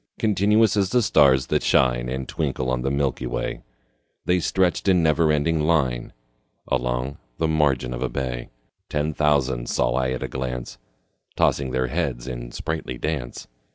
Continuous as the stars that shine And twinkle on the milky way, The stretched in never ending line Along the margin of a bay: Ten thousand saw I at a glance, Tossing their heads in sprightly dance.